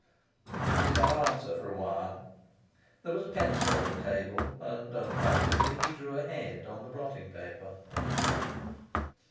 He did not answer for a while. There was a pencil on the table, and unconsciously he drew a head on the blotting paper.